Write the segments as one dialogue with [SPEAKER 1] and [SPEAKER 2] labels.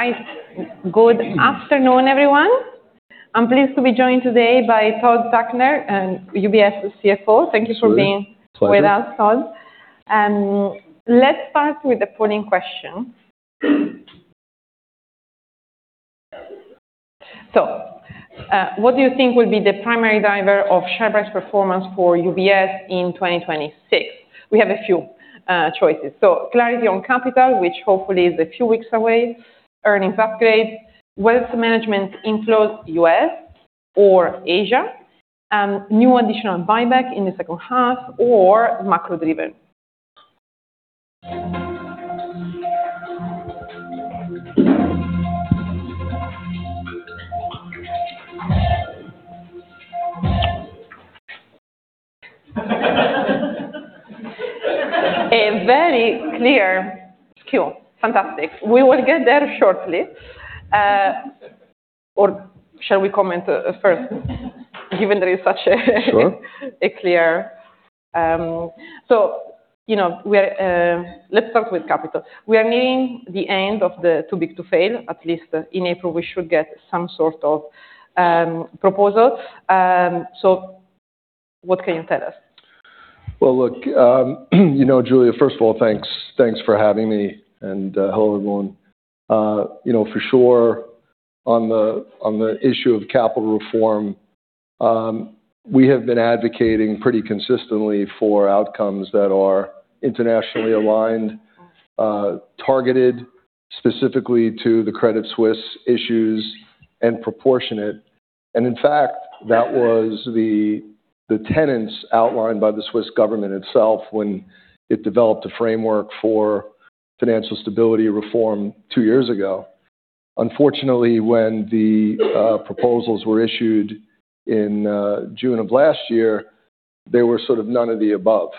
[SPEAKER 1] Right. Good afternoon, everyone. I'm pleased to be joined today by Todd Tuckner, UBS CFO.
[SPEAKER 2] Absolutely. Pleasure.
[SPEAKER 1] Thank you for being with us, Todd. Let's start with the polling question. What do you think will be the primary driver of share price performance for UBS in 2026? We have a few choices. Clarity on capital, which hopefully is a few weeks away, earnings upgrades, wealth management inflows U.S. or Asia, new additional buyback in the second half, or macro-driven. A very clear cue. Fantastic. We will get there shortly. Or shall we comment first?
[SPEAKER 2] Sure.
[SPEAKER 1] You know, let's start with capital. We are nearing the end of the too big to fail. At least in April, we should get some sort of proposal. What can you tell us?
[SPEAKER 2] Well, look, you know, Giulia, first of all, thanks for having me, and hello, everyone. You know, for sure on the issue of capital reform, we have been advocating pretty consistently for outcomes that are internationally aligned, targeted specifically to the Credit Suisse issues and proportionate. In fact, that was the tenets outlined by the Swiss government itself when it developed a framework for financial stability reform two years ago. Unfortunately, when the proposals were issued in June of last year, they were sort of none of the above.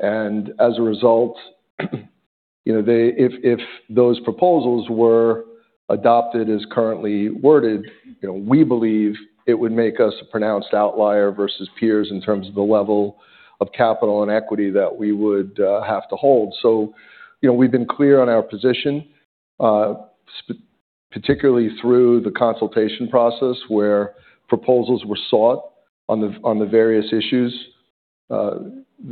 [SPEAKER 2] As a result, you know, if those proposals were adopted as currently worded, you know, we believe it would make us a pronounced outlier versus peers in terms of the level of capital and equity that we would have to hold. You know, we've been clear on our position, particularly through the consultation process where proposals were sought on the various issues. We'll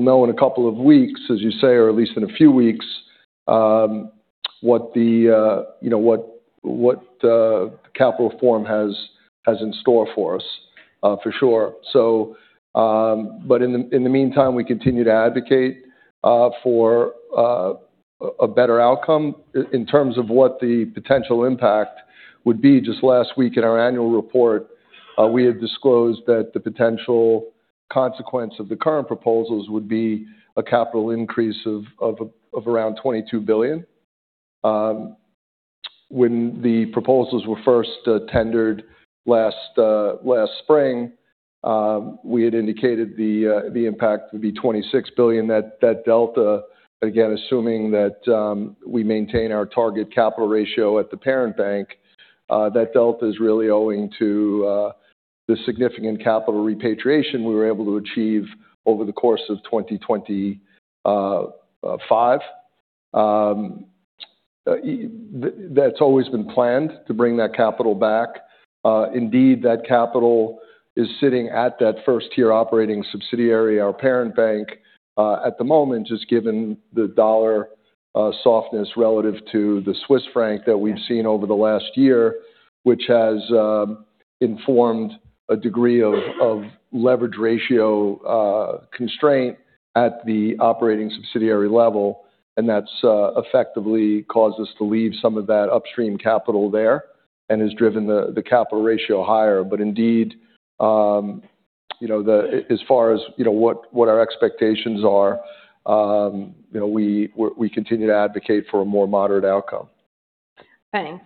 [SPEAKER 2] know in a couple of weeks, as you say, or at least in a few weeks, what capital reform has in store for us, for sure. In the meantime, we continue to advocate for a better outcome in terms of what the potential impact would be. Just last week in our annual report, we had disclosed that the potential consequence of the current proposals would be a capital increase of around $22 billion. When the proposals were first tendered last spring, we had indicated the impact would be $26 billion. That delta, again, assuming that we maintain our target capital ratio at the parent bank, that delta is really owing to the significant capital repatriation we were able to achieve over the course of 2025. That's always been planned to bring that capital back. Indeed, that capital is sitting at that first-tier operating subsidiary, our parent bank, at the moment, just given the dollar softness relative to the Swiss franc that we've seen over the last year, which has informed a degree of leverage ratio constraint at the operating subsidiary level. That's effectively caused us to leave some of that upstream capital there and has driven the capital ratio higher. Indeed, you know, as far as, you know, what our expectations are, you know, we continue to advocate for a more moderate outcome.
[SPEAKER 1] Thanks.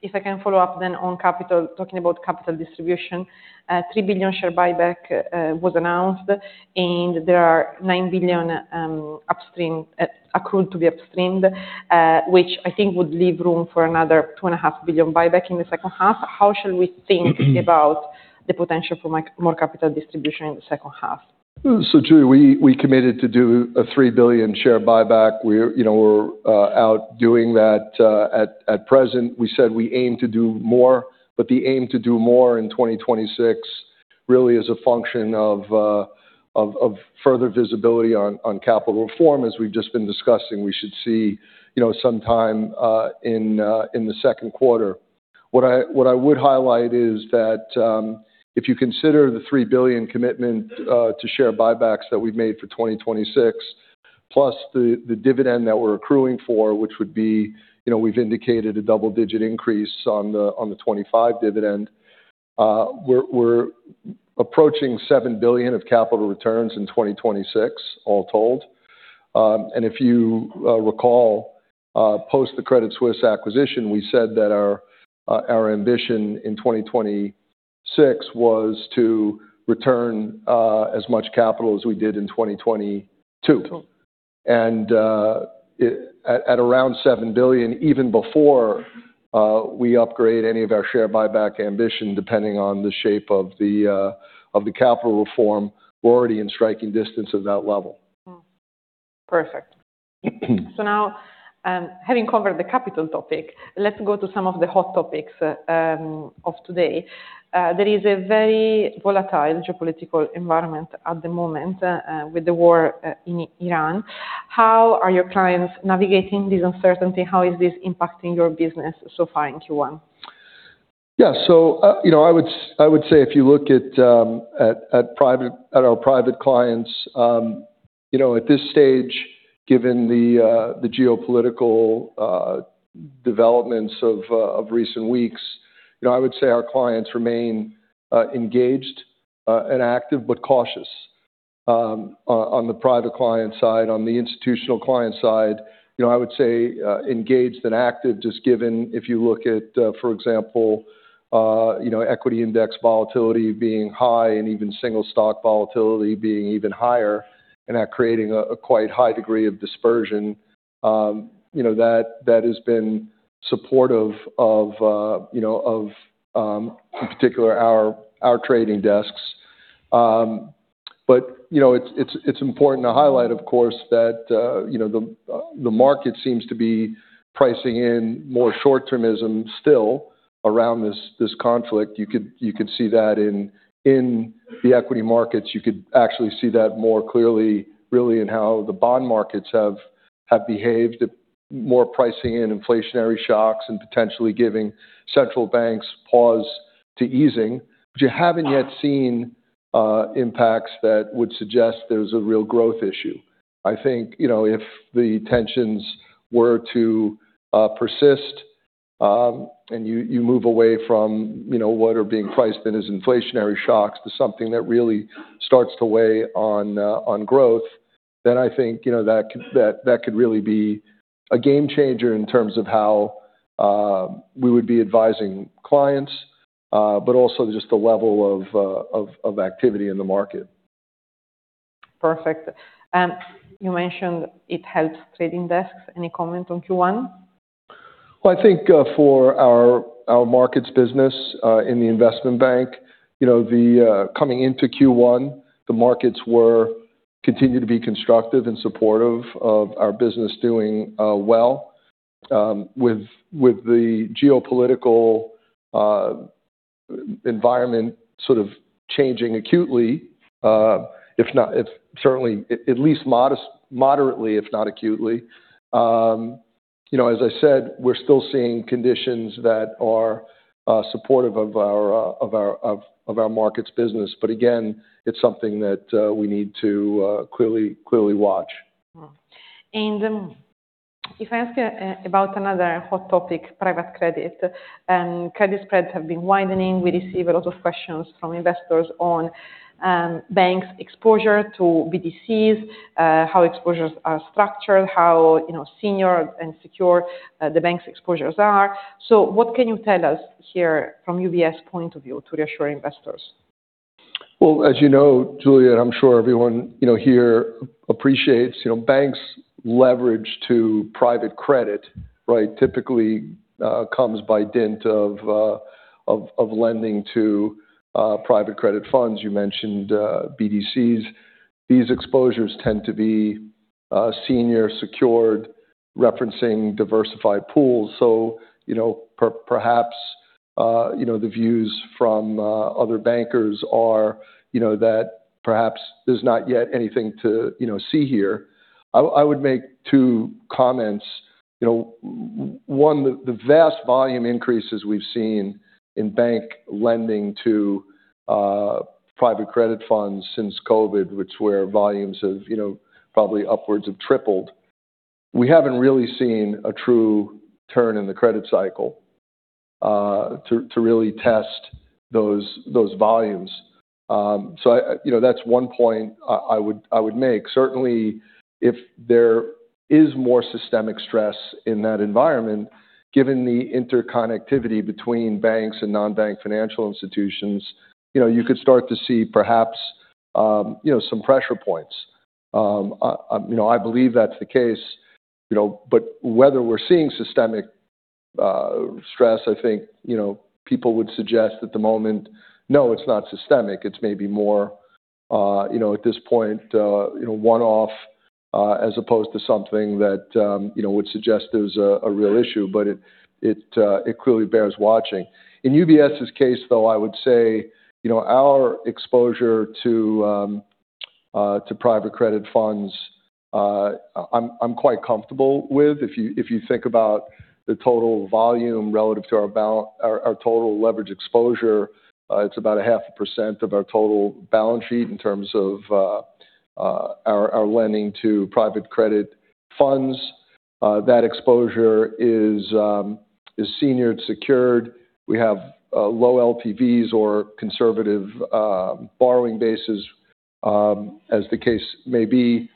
[SPEAKER 1] If I can follow up then on capital, talking about capital distribution, $3 billion share buyback was announced, and there are $9 billion upstream accrued to be upstreamed, which I think would leave room for another $2.5 billion buyback in the second half. How should we think about the potential for more capital distribution in the second half?
[SPEAKER 2] Giulia, we committed to do a 3 billion share buyback. We're, you know, out doing that at present. We said we aim to do more, but the aim to do more in 2026 really is a function of further visibility on capital reform, as we've just been discussing, we should see, you know, sometime in the second quarter. What I would highlight is that, if you consider the 3 billion commitment to share buybacks that we've made for 2026, plus the dividend that we're accruing for, which would be, you know, we've indicated a double-digit increase on the 2025 dividend, we're approaching 7 billion of capital returns in 2026, all told. If you recall, post the Credit Suisse acquisition, we said that our ambition in 2026 was to return as much capital as we did in 2022. At around $7 billion, even before we upgrade any of our share buyback ambition depending on the shape of the capital reform, we're already in striking distance of that level.
[SPEAKER 1] Perfect. Now, having covered the capital topic, let's go to some of the hot topics of today. There is a very volatile geopolitical environment at the moment, with the war in Ukraine. How are your clients navigating this uncertainty? How is this impacting your business so far in Q1?
[SPEAKER 2] Yeah. You know, I would say if you look at our private clients, you know, at this stage, given the geopolitical developments of recent weeks, you know, I would say our clients remain engaged and active but cautious. On the private client side, on the institutional client side, you know, I would say engaged and active just given if you look at, for example, you know, equity index volatility being high and even single stock volatility being even higher and are creating a quite high degree of dispersion. You know, that has been supportive of, you know, in particular our trading desks. It's important to highlight of course that the market seems to be pricing in more short-termism still around this conflict. You could see that in the equity markets. You could actually see that more clearly really in how the bond markets have behaved, more pricing in inflationary shocks and potentially giving central banks pause to easing. You haven't yet seen impacts that would suggest there's a real growth issue. I think, you know, if the tensions were to persist, and you move away from, you know, what are being priced in as inflationary shocks to something that really starts to weigh on growth, then I think, you know, that could really be a game changer in terms of how we would be advising clients, but also just the level of activity in the market.
[SPEAKER 1] Perfect. You mentioned it helps trading desks. Any comment on Q1?
[SPEAKER 2] Well, I think, for our markets business in the investment bank, you know, coming into Q1, the markets continue to be constructive and supportive of our business doing well. With the geopolitical environment sort of changing acutely, if not certainly at least moderately, if not acutely. You know, as I said, we're still seeing conditions that are supportive of our markets business. Again, it's something that we need to clearly watch.
[SPEAKER 1] If I ask about another hot topic, private credit spreads have been widening. We receive a lot of questions from investors on banks' exposure to BDCs, how exposures are structured, how, you know, senior and secure the bank's exposures are. What can you tell us here from UBS's point of view to reassure investors?
[SPEAKER 2] Well, as you know, Giulia, I'm sure everyone, you know, here appreciates, you know, banks leverage to private credit, right? Typically comes by dint of lending to private credit funds. You mentioned BDCs. These exposures tend to be senior secured referencing diversified pools. So, you know, perhaps, you know, the views from other bankers are, you know, that perhaps there's not yet anything to, you know, see here. I would make two comments. You know, one, the vast volume increases we've seen in bank lending to private credit funds since COVID, where volumes have, you know, probably upwards tripled. We haven't really seen a true turn in the credit cycle to really test those volumes. You know, that's one point I would make. Certainly if there is more systemic stress in that environment, given the interconnectivity between banks and non-bank financial institutions, you know, you could start to see perhaps some pressure points. I believe that's the case, you know. But whether we're seeing systemic stress, I think, you know, people would suggest at the moment, no, it's not systemic. It's maybe more, you know, at this point, you know, one-off, as opposed to something that, you know, would suggest there's a real issue. But it clearly bears watching. In UBS's case, though, I would say, you know, our exposure to private credit funds, I'm quite comfortable with. If you think about the total volume relative to our total leverage exposure, it's about 0.5% of our total balance sheet in terms of our lending to private credit funds. That exposure is senior and secured. We have low LTVs or conservative borrowing bases, as the case may be.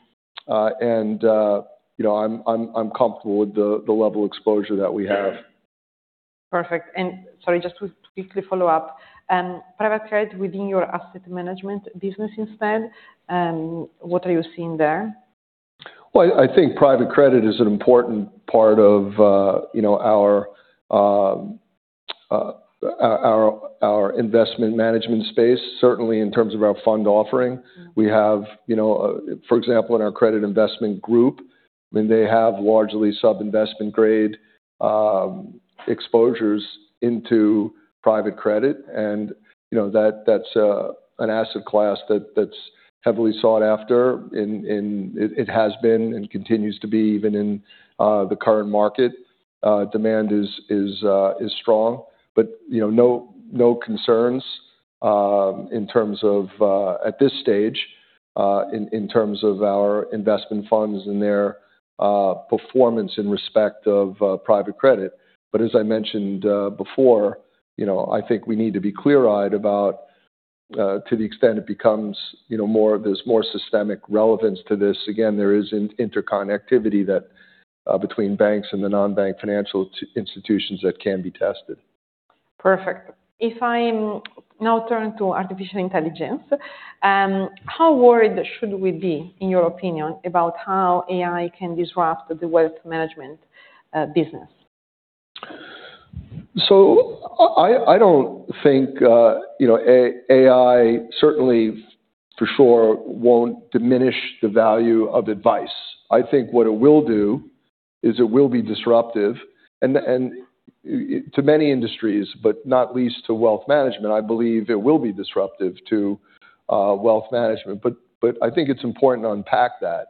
[SPEAKER 2] You know, I'm comfortable with the level of exposure that we have.
[SPEAKER 1] Perfect. Sorry, just to quickly follow up. Private credit within your asset management business instead, what are you seeing there?
[SPEAKER 2] I think private credit is an important part of you know our investment management space, certainly in terms of our fund offering. We have you know for example in our Credit Investments Group. I mean they have largely sub-investment grade exposures into private credit and you know that's an asset class that's heavily sought after and it has been and continues to be even in the current market. Demand is strong. You know no concerns in terms of at this stage in terms of our investment funds and their performance in respect of private credit. As I mentioned before you know I think we need to be clear-eyed about to the extent it becomes you know more. There's more systemic relevance to this. Again, there is an interconnectivity that between banks and the non-bank financial institutions that can be tested.
[SPEAKER 1] Perfect. If I now turn to artificial intelligence, how worried should we be, in your opinion, about how AI can disrupt the wealth management business?
[SPEAKER 2] I don't think AI certainly for sure won't diminish the value of advice. I think what it will do is it will be disruptive to many industries, but not least to wealth management. I believe it will be disruptive to wealth management, but I think it's important to unpack that.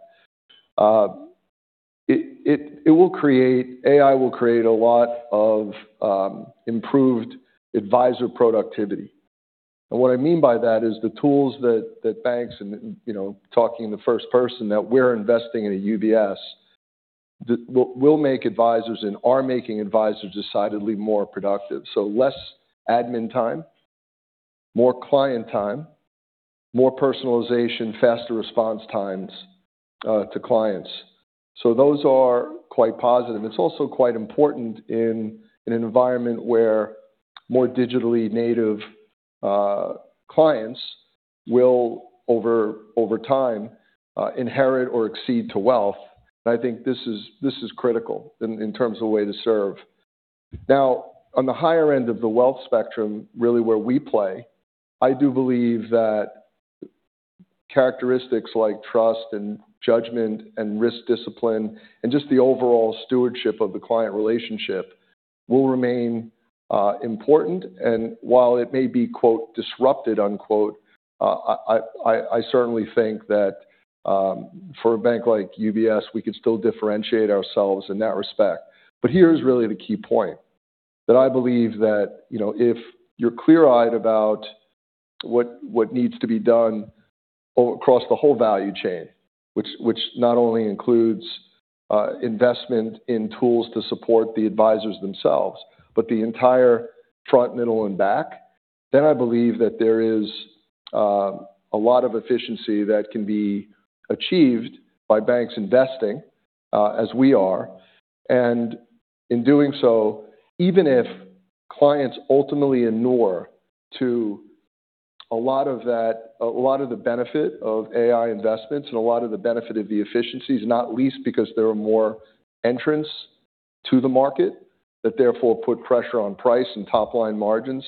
[SPEAKER 2] AI will create a lot of improved advisor productivity. What I mean by that is the tools that banks and, you know, talking in the first person, that we're investing in at UBS will make advisors and are making advisors decidedly more productive. Less admin time, more client time, more personalization, faster response times to clients. Those are quite positive. It's also quite important in an environment where more digitally native clients will over time inherit or accede to wealth. I think this is critical in terms of the way to serve. Now, on the higher end of the wealth spectrum, really where we play, I do believe that characteristics like trust and judgment and risk discipline and just the overall stewardship of the client relationship will remain important. While it may be, quote, disrupted, unquote, I certainly think that for a bank like UBS, we can still differentiate ourselves in that respect. Here is really the key point. I believe that, you know, if you're clear-eyed about what needs to be done across the whole value chain, which not only includes investment in tools to support the advisors themselves, but the entire front, middle and back, then I believe that there is a lot of efficiency that can be achieved by banks investing as we are. In doing so, even if clients ultimately inure to a lot of that a lot of the benefit of AI investments and a lot of the benefit of the efficiencies, not least because there are more entrants to the market that therefore put pressure on price and top-line margins,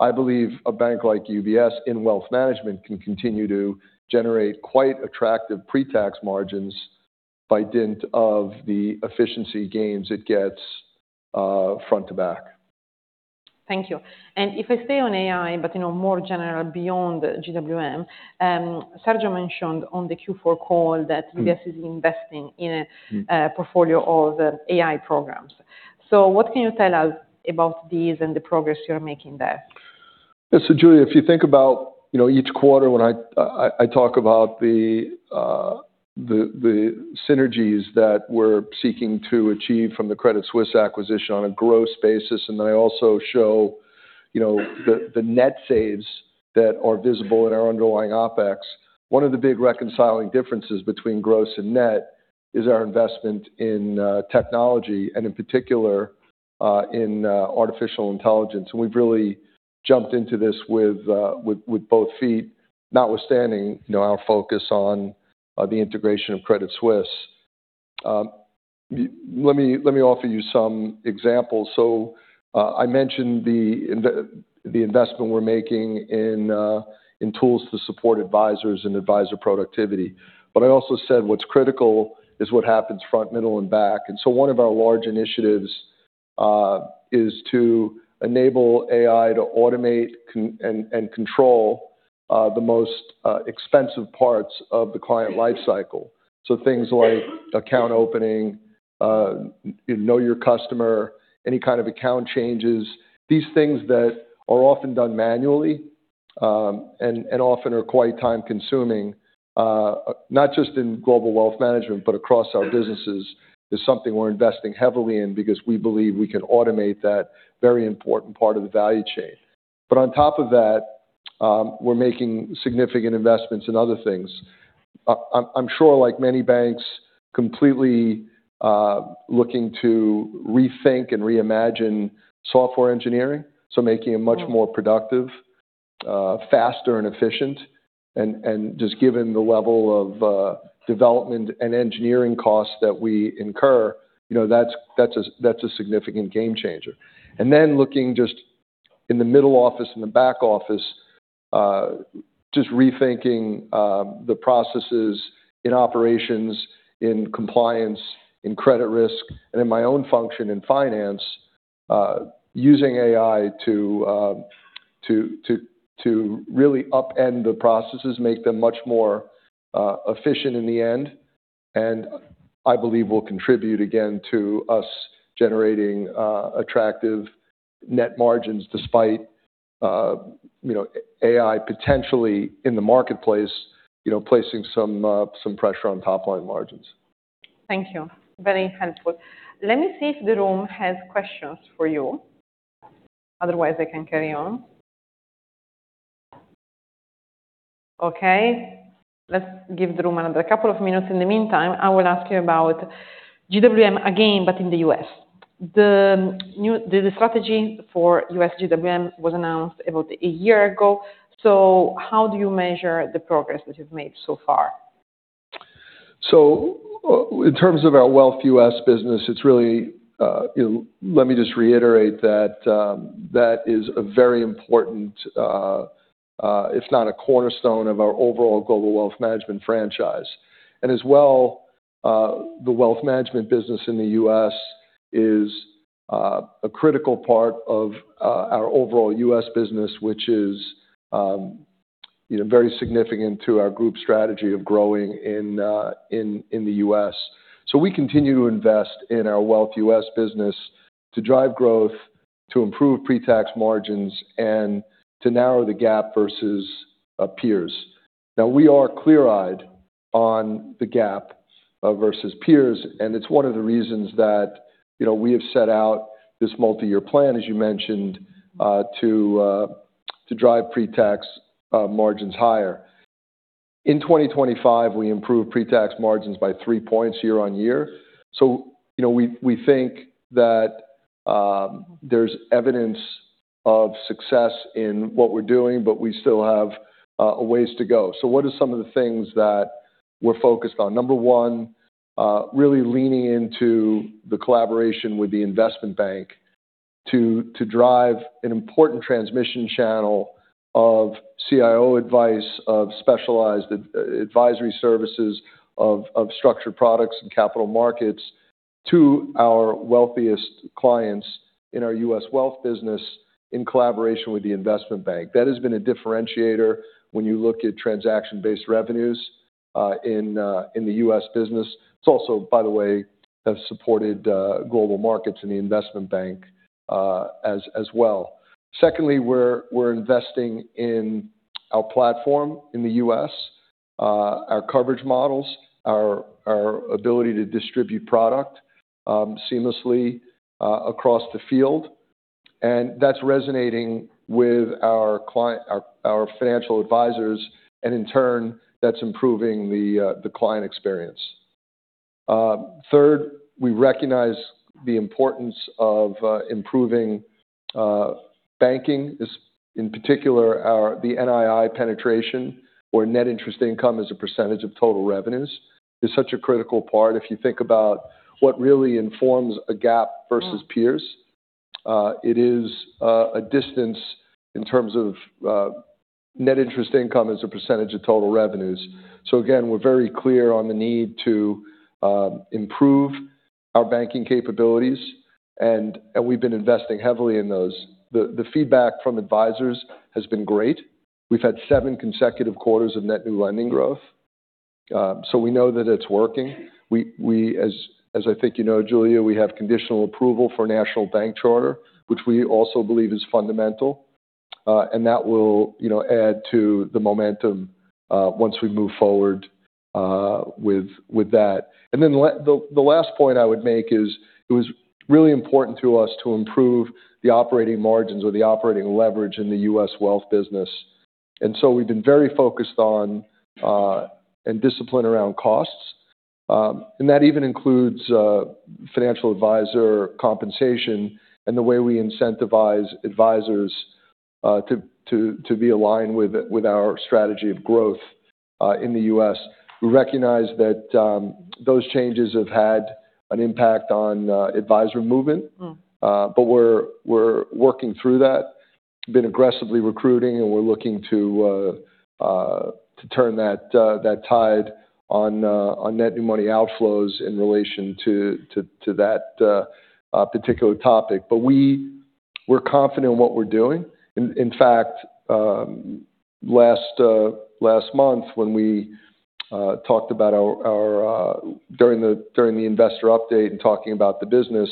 [SPEAKER 2] I believe a bank like UBS in wealth management can continue to generate quite attractive pre-tax margins by dint of the efficiency gains it gets front to back.
[SPEAKER 1] Thank you. If I stay on AI, but, you know, more general beyond GWM, Sergio mentioned on the Q4 call that UBS is investing in a portfolio of AI programs. What can you tell us about these and the progress you're making there?
[SPEAKER 2] Yeah. Giulia, if you think about, you know, each quarter when I talk about the synergies that we're seeking to achieve from the Credit Suisse acquisition on a gross basis, and I also show, you know, the net saves that are visible in our underlying OpEx. One of the big reconciling differences between gross and net is our investment in technology and in particular in artificial intelligence. We've really jumped into this with both feet, notwithstanding, you know, our focus on the integration of Credit Suisse. Let me offer you some examples. I mentioned the investment we're making in tools to support advisors and advisor productivity. I also said what's critical is what happens front, middle and back. One of our large initiatives is to enable AI to automate and control the most expensive parts of the client life cycle. Things like account opening, know your customer, any kind of account changes. These things that are often done manually and often are quite time-consuming, not just in Global Wealth Management, but across our businesses, is something we're investing heavily in because we believe we can automate that very important part of the value chain. On top of that, we're making significant investments in other things. I'm sure like many banks completely looking to rethink and reimagine software engineering, so making it much more productive, faster and efficient. Just given the level of development and engineering costs that we incur, you know, that's a significant game changer. Looking just in the middle office and the back office, just rethinking the processes in operations, in compliance, in credit risk, and in my own function in finance, using AI to really upend the processes, make them much more efficient in the end. I believe will contribute again to us generating attractive net margins despite, you know, AI potentially in the marketplace, you know, placing some pressure on top line margins.
[SPEAKER 1] Thank you. Very helpful. Let me see if the room has questions for you. Otherwise, I can carry on. Okay. Let's give the room another couple of minutes. In the meantime, I will ask you about GWM again, but in the U.S. The strategy for U.S. GWM was announced about a year ago. How do you measure the progress that you've made so far?
[SPEAKER 2] In terms of our wealth U.S. business, it's really, you know. Let me just reiterate that is a very important, if not a cornerstone of our overall Global Wealth Management franchise. As well, the wealth management business in the U.S. is a critical part of our overall U.S. business, which is, you know, very significant to our group strategy of growing in the U.S. We continue to invest in our wealth U.S. business to drive growth, to improve pre-tax margins, and to narrow the gap versus peers. We are clear-eyed on the gap versus peers, and it's one of the reasons that, you know, we have set out this multi-year plan, as you mentioned, to drive pre-tax margins higher. In 2025, we improved pre-tax margins by 3% year-over-year. You know, we think that there's evidence of success in what we're doing, but we still have a ways to go. What are some of the things that we're focused on? Number one, really leaning into the collaboration with the Investment Bank to drive an important transmission channel of CIO advice, of specialized advisory services, of structured products and capital markets to our wealthiest clients in our U.S. wealth business in collaboration with the Investment Bank. That has been a differentiator when you look at transaction-based revenues in the U.S. business. It's also, by the way, have supported Global Markets in the Investment Bank, as well. Secondly, we're investing in our platform in the U.S., our coverage models, our ability to distribute product seamlessly across the field. That's resonating with our financial advisors, and in turn, that's improving the client experience. Third, we recognize the importance of improving banking, in particular our NII penetration or net interest income as a percentage of total revenues, is such a critical part. If you think about what really informs a gap versus peers, it is a distance in terms of net interest income as a percentage of total revenues. We're very clear on the need to improve our banking capabilities, and we've been investing heavily in those. The feedback from advisors has been great. We've had seven consecutive quarters of net new lending growth. We know that it's working. As I think you know, Giulia, we have conditional approval for National Bank Charter, which we also believe is fundamental. That will, you know, add to the momentum once we move forward with that. The last point I would make is it was really important to us to improve the operating margins or the operating leverage in the U.S. wealth business. We've been very focused on and disciplined around costs. That even includes financial advisor compensation and the way we incentivize advisors to be aligned with our strategy of growth in the U.S. We recognize that those changes have had an impact on advisor movement.
[SPEAKER 1] Mm.
[SPEAKER 2] We're working through that. Been aggressively recruiting, and we're looking to turn that tide on net new money outflows in relation to that particular topic. We're confident in what we're doing. In fact, last month when we talked about our targets during the investor update and talking about the business,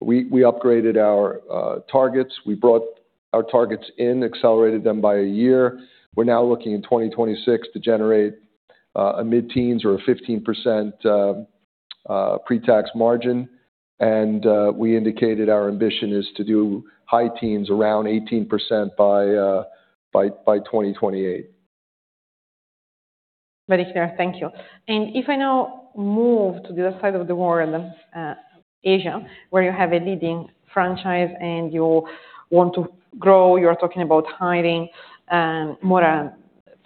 [SPEAKER 2] we upgraded our targets. We brought our targets in, accelerated them by a year. We're now looking in 2026 to generate a mid-teens or 15% pre-tax margin. We indicated our ambition is to do high teens around 18% by 2028.
[SPEAKER 1] Very clear. Thank you. If I now move to the other side of the world, Asia, where you have a leading franchise and you want to grow, you're talking about hiring, more,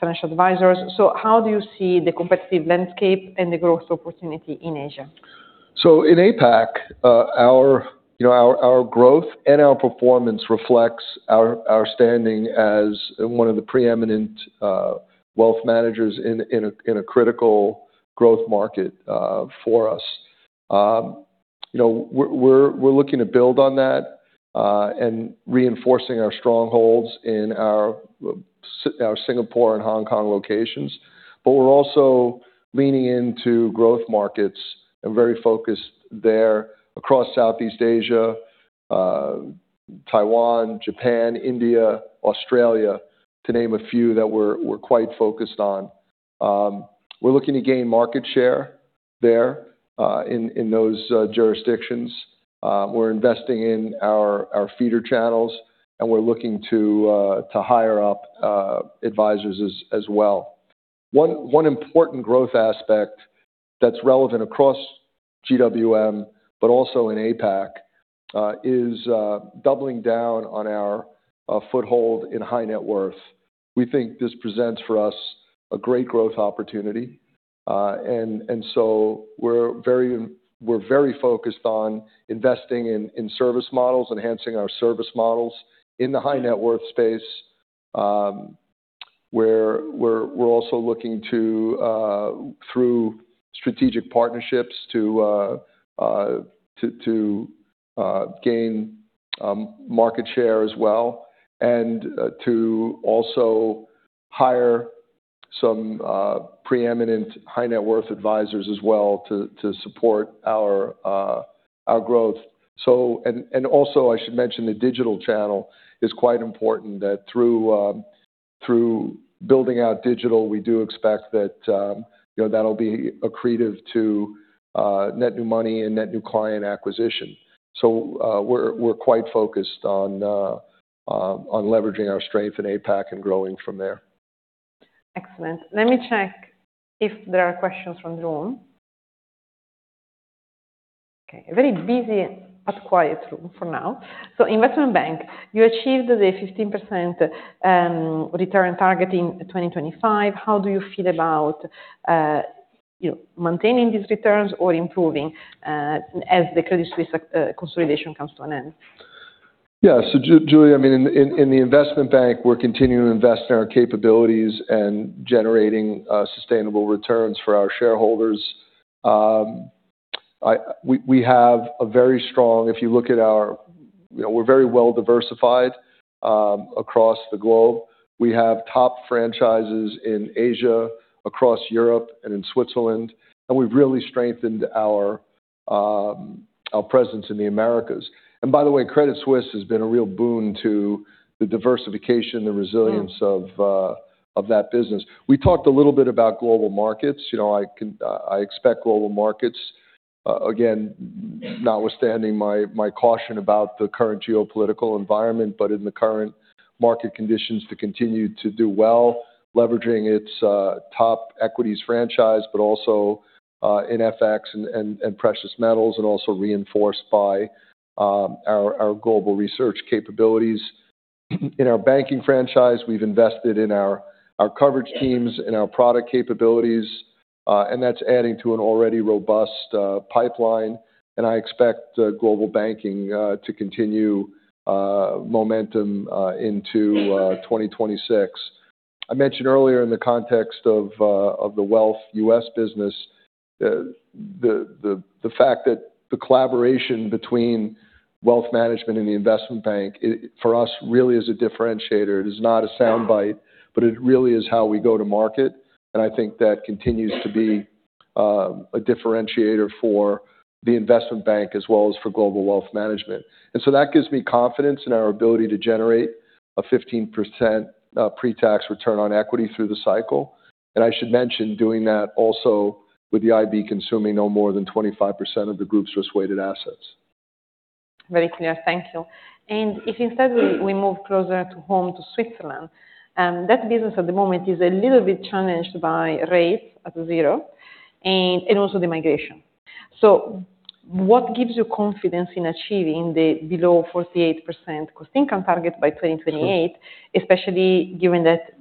[SPEAKER 1] financial advisors. How do you see the competitive landscape and the growth opportunity in Asia?
[SPEAKER 2] In APAC, our you know our growth and our performance reflects our standing as one of the preeminent wealth managers in a critical growth market for us. You know, we're looking to build on that and reinforcing our strongholds in our Singapore and Hong Kong locations. We're also leaning into growth markets and very focused there across Southeast Asia, Taiwan, Japan, India, Australia, to name a few that we're quite focused on. We're looking to gain market share there in those jurisdictions. We're investing in our feeder channels, and we're looking to hire up advisors as well. One important growth aspect that's relevant across GWM but also in APAC is doubling down on our foothold in high net worth. We think this presents for us a great growth opportunity. We're very focused on investing in service models, enhancing our service models in the high net worth space, where we're also looking to through strategic partnerships to gain market share as well, and to also hire some preeminent high net worth advisors as well to support our growth. I should mention the digital channel is quite important that through building out digital, we do expect that you know, that'll be accretive to net new money and net new client acquisition. We're quite focused on leveraging our strength in APAC and growing from there.
[SPEAKER 1] Excellent. Let me check if there are questions from the room. Okay. A very busy but quiet room for now. Investment Bank, you achieved the 15% return target in 2025. How do you feel about, you know, maintaining these returns or improving as the Credit Suisse consolidation comes to an end?
[SPEAKER 2] Giulia, I mean, in the investment bank, we're continuing to invest in our capabilities and generating sustainable returns for our shareholders. You know, we're very well diversified across the globe. We have top franchises in Asia, across Europe, and in Switzerland, and we've really strengthened our presence in the Americas. By the way, Credit Suisse has been a real boon to the diversification, the resilience of that business. We talked a little bit about Global Markets. You know, I expect Global Markets, again, notwithstanding my caution about the current geopolitical environment, but in the current market conditions to continue to do well, leveraging its top equities franchise, but also in FX and precious metals, and also reinforced by our global research capabilities. In our banking franchise, we've invested in our coverage teams and our product capabilities, and that's adding to an already robust pipeline. I expect Global Banking to continue momentum into 2026. I mentioned earlier in the context of the wealth U.S. business, the fact that the collaboration between Wealth Management and the Investment Bank, it for us really is a differentiator. It is not a soundbite, but it really is how we go to market, and I think that continues to be a differentiator for the Investment Bank as well as for Global Wealth Management. That gives me confidence in our ability to generate a 15% pre-tax return on equity through the cycle. I should mention doing that also with the IB consuming no more than 25% of the group's risk-weighted assets.
[SPEAKER 1] Very clear. Thank you. If instead we move closer to home to Switzerland, that business at the moment is a little bit challenged by rates at zero and also the migration. What gives you confidence in achieving the below 48% cost income target by 2028, especially given that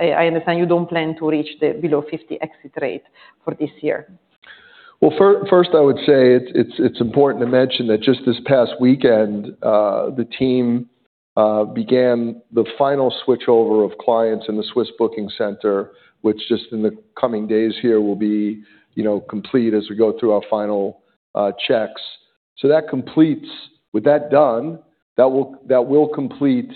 [SPEAKER 1] I understand you don't plan to reach the below 50 exit rate for this year?
[SPEAKER 2] First, I would say it's important to mention that just this past weekend, the team began the final switchover of clients in the Swiss booking center, which just in the coming days here will be, you know, complete as we go through our final checks. With that done, that will complete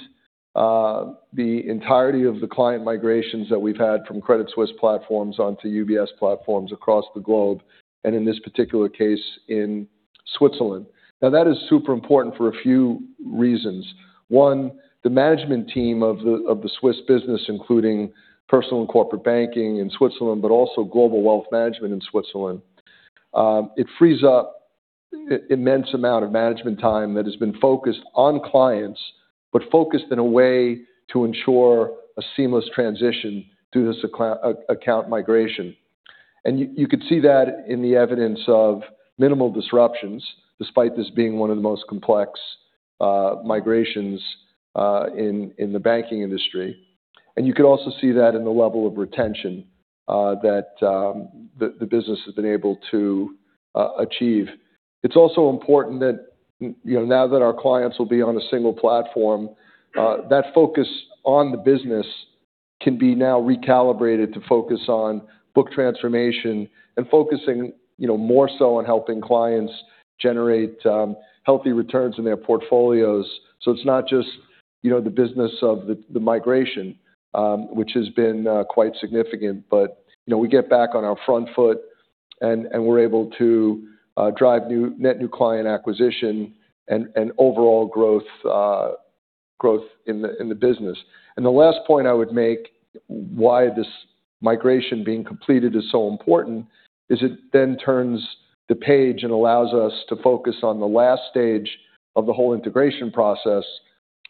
[SPEAKER 2] the entirety of the client migrations that we've had from Credit Suisse platforms onto UBS platforms across the globe, and in this particular case, in Switzerland. Now, that is super important for a few reasons. One, the management team of the Swiss business, including personal and corporate banking in Switzerland, but also Global Wealth Management in Switzerland. It frees up immense amount of management time that has been focused on clients, but focused in a way to ensure a seamless transition through this account migration. You could see that in the evidence of minimal disruptions, despite this being one of the most complex migrations in the banking industry. You could also see that in the level of retention that the business has been able to achieve. It's also important that you know, now that our clients will be on a single platform, that focus on the business can be now recalibrated to focus on book transformation and focusing you know, more so on helping clients generate healthy returns in their portfolios. It's not just you know, the business of the migration which has been quite significant, but you know, we get back on our front foot and we're able to drive net new client acquisition and overall growth in the business. The last point I would make, why this migration being completed is so important is it then turns the page and allows us to focus on the last stage of the whole integration process,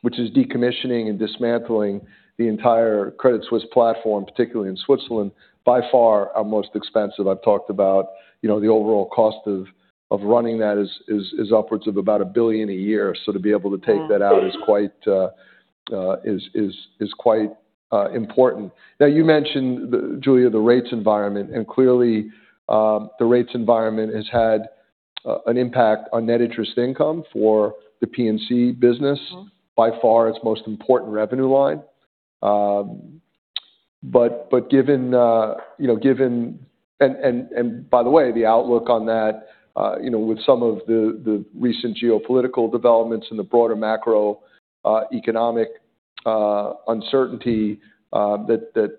[SPEAKER 2] which is decommissioning and dismantling the entire Credit Suisse platform, particularly in Switzerland, by far our most expensive. I've talked about the overall cost of running that is upwards of about $1 billion a year. To be able to take that out is quite important. You mentioned, Giulia, the rates environment, and clearly the rates environment has had an impact on net interest income for the P&C business.
[SPEAKER 1] Mm-hmm.
[SPEAKER 2] By far its most important revenue line. Given by the way, the outlook on that, with some of the recent geopolitical developments and the broader macroeconomic uncertainty that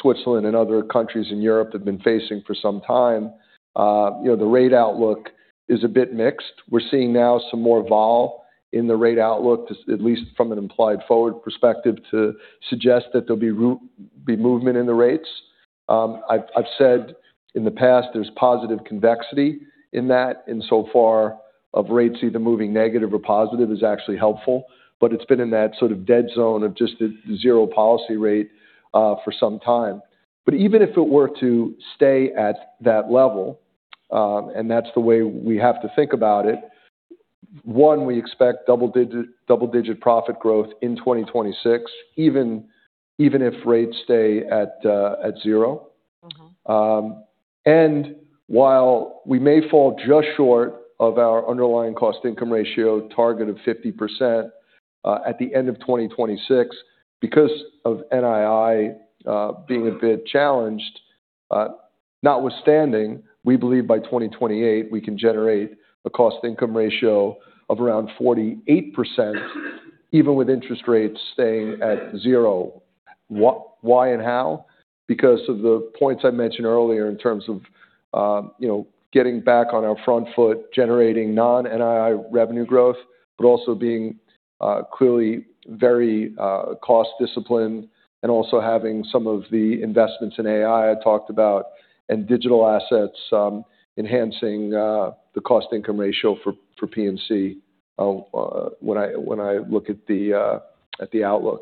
[SPEAKER 2] Switzerland and other countries in Europe have been facing for some time, the rate outlook is a bit mixed. We're seeing now some more vol in the rate outlook, at least from an implied forward perspective, to suggest that there'll be movement in the rates. I've said in the past there's positive convexity in that, insofar as rates either moving negative or positive is actually helpful. It's been in that sort of dead zone of just the zero policy rate for some time. Even if it were to stay at that level, and that's the way we have to think about it, one, we expect double-digit profit growth in 2026, even if rates stay at zero.
[SPEAKER 1] Mm-hmm.
[SPEAKER 2] While we may fall just short of our underlying cost income ratio target of 50%, at the end of 2026 because of NII being a bit challenged, notwithstanding, we believe by 2028 we can generate a cost income ratio of around 48% even with interest rates staying at zero. Why and how? Because of the points I mentioned earlier in terms of, you know, getting back on our front foot, generating non-NII revenue growth, but also being clearly very cost discipline and also having some of the investments in AI I talked about and digital assets, enhancing the cost income ratio for P&C, when I look at the outlook.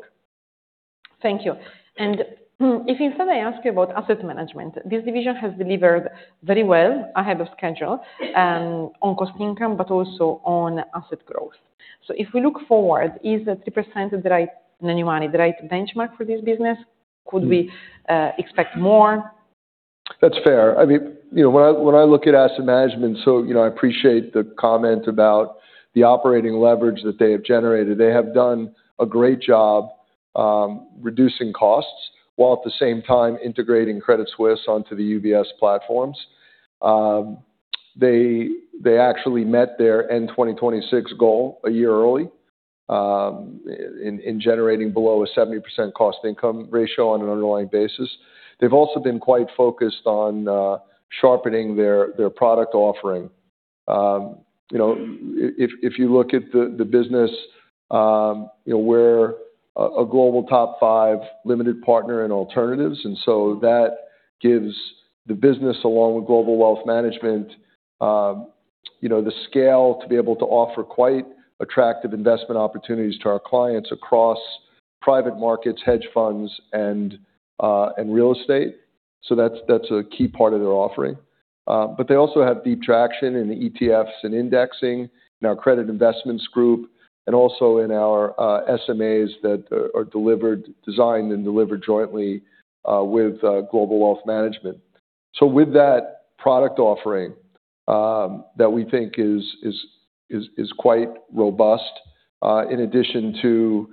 [SPEAKER 1] Thank you. If instead I ask you about asset management, this division has delivered very well ahead of schedule, on cost income, but also on asset growth. If we look forward, is the 3% the right number, the right benchmark for this business? Could we expect more?
[SPEAKER 2] That's fair. I mean, you know, when I look at asset management, you know, I appreciate the comment about the operating leverage that they have generated. They have done a great job reducing costs while at the same time integrating Credit Suisse onto the UBS platforms. They actually met their end 2026 goal a year early in generating below a 70% cost income ratio on an underlying basis. They've also been quite focused on sharpening their product offering. If you look at the business, you know, we're a global top five limited partner in alternatives, and so that gives the business along with Global Wealth Management, you know, the scale to be able to offer quite attractive investment opportunities to our clients across private markets, hedge funds and real estate. That's a key part of their offering. They also have deep traction in the ETFs and indexing in our Credit Investments Group and also in our SMAs that are designed and delivered jointly with Global Wealth Management. with that product offering, that we think is quite robust, in addition to,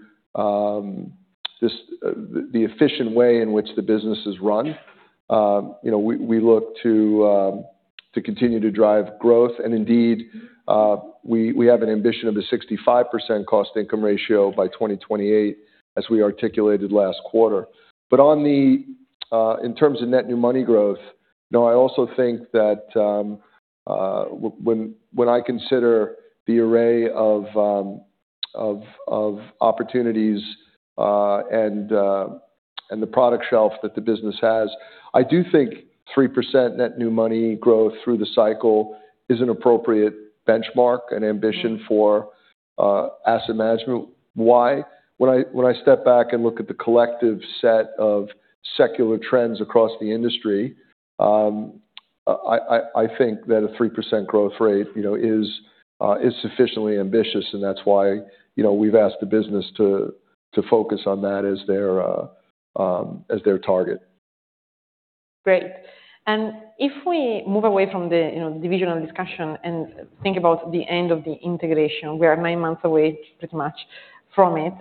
[SPEAKER 2] the efficient way in which the business is run, you know, we look to continue to drive growth. Indeed, we have an ambition of a 65% cost income ratio by 2028, as we articulated last quarter. On the, in terms of net new money growth, you know, I also think that, when I consider the array of of opportunities, and the product shelf that the business has. I do think 3% net new money growth through the cycle is an appropriate benchmark and ambition for asset management. Why? When I step back and look at the collective set of secular trends across the industry, I think that a 3% growth rate, you know, is sufficiently ambitious, and that's why, you know, we've asked the business to focus on that as their target.
[SPEAKER 1] Great. If we move away from the, you know, divisional discussion and think about the end of the integration, we are nine months away pretty much from it.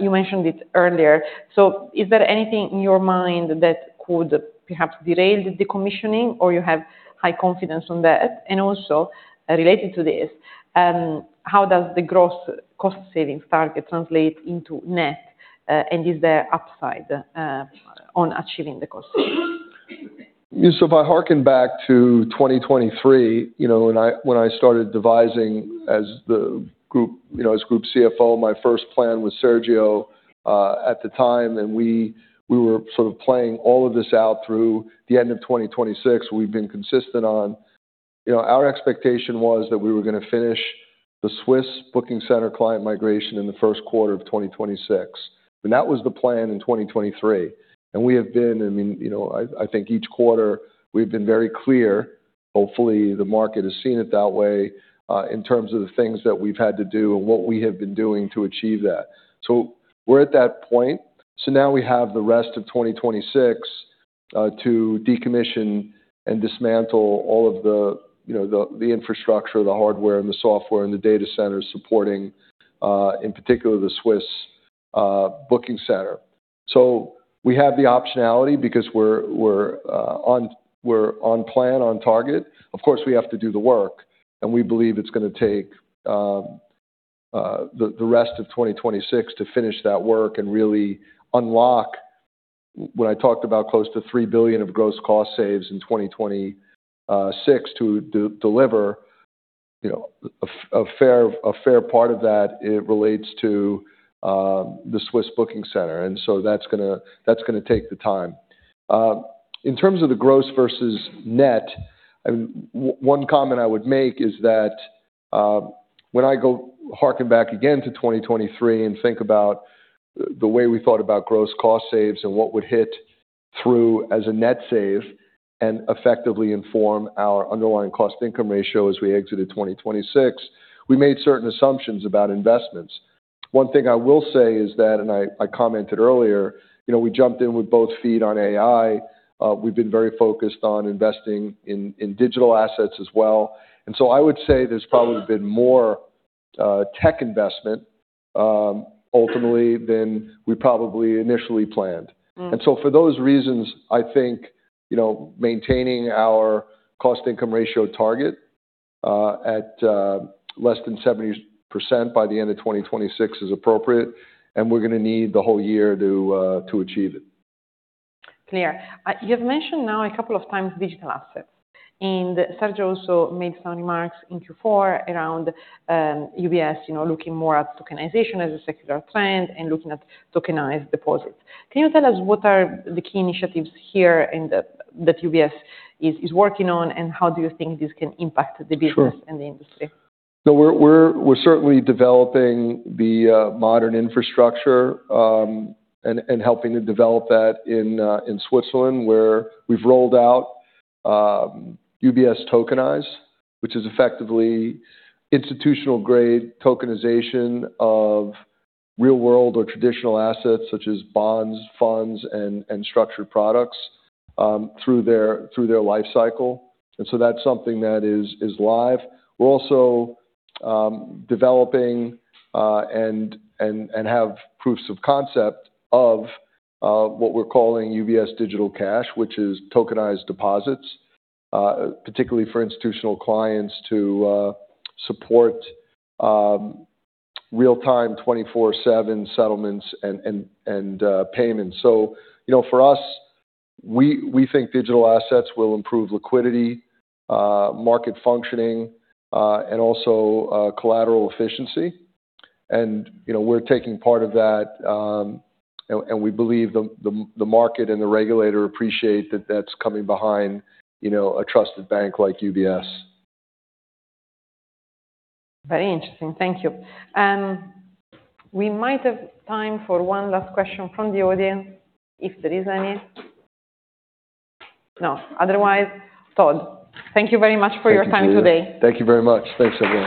[SPEAKER 1] You mentioned it earlier. Is there anything in your mind that could perhaps derail the decommissioning or you have high confidence on that? Related to this, how does the gross cost savings target translate into net, and is there upside on achieving the cost saves?
[SPEAKER 2] Yeah. If I harken back to 2023, you know, when I started devising as the group, you know, as Group CFO, my first plan with Sergio at the time, and we were sort of playing all of this out through the end of 2026. We've been consistent on. You know, our expectation was that we were gonna finish the Swiss Booking Center client migration in the first quarter of 2026, and that was the plan in 2023. We have been, I mean, you know, I think each quarter we've been very clear. Hopefully, the market has seen it that way in terms of the things that we've had to do and what we have been doing to achieve that. We're at that point. Now we have the rest of 2026 to decommission and dismantle all of the, you know, the infrastructure, the hardware and the software and the data centers supporting in particular the Swiss booking center. We have the optionality because we're on plan, on target. Of course, we have to do the work, and we believe it's gonna take the rest of 2026 to finish that work and really unlock when I talked about close to 3 billion of gross cost saves in 2026 to deliver, you know, a fair part of that. It relates to the Swiss booking center. That's gonna take the time. In terms of the gross versus net, one comment I would make is that, when I go hark back again to 2023 and think about the way we thought about gross cost saves and what would hit through as a net save and effectively inform our underlying cost income ratio as we exited 2026, we made certain assumptions about investments. One thing I will say is that I commented earlier, you know, we jumped in with both feet on AI. We've been very focused on investing in digital assets as well. I would say there's probably been more tech investment ultimately than we probably initially planned.
[SPEAKER 1] Mm.
[SPEAKER 2] For those reasons, I think, you know, maintaining our cost income ratio target at less than 70% by the end of 2026 is appropriate, and we're gonna need the whole year to achieve it.
[SPEAKER 1] Clear. You've mentioned now a couple of times digital assets, and Sergio also made some remarks in Q4 around UBS looking more at tokenization as a secular trend and looking at tokenized deposits. Can you tell us what are the key initiatives that UBS is working on, and how do you think this can impact the business?
[SPEAKER 2] Sure.
[SPEAKER 1] the industry?
[SPEAKER 2] We're certainly developing the modern infrastructure and helping to develop that in Switzerland, where we've rolled out UBS Tokenize, which is effectively institutional-grade tokenization of real-world or traditional assets such as bonds, funds, and structured products through their life cycle. That's something that is live. We're also developing and have proofs of concept of what we're calling UBS Digital Cash, which is tokenized deposits, particularly for institutional clients to support real-time 24/7 settlements and payments. You know, for us, we think digital assets will improve liquidity, market functioning, and also collateral efficiency. You know, we're taking part of that, and we believe the market and the regulator appreciate that that's coming behind, you know, a trusted bank like UBS.
[SPEAKER 1] Very interesting. Thank you. We might have time for one last question from the audience, if there is any. No. Otherwise, Todd, thank you very much for your time today.
[SPEAKER 2] Thank you very much. Thanks, everyone.